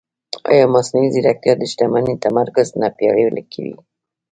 ایا مصنوعي ځیرکتیا د شتمنۍ تمرکز نه پیاوړی کوي؟